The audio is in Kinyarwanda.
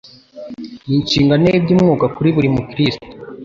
Ni inshingano y’iby’umwuka kuri buri Mukristokazi